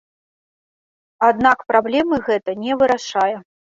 Аднак праблемы гэта не вырашае.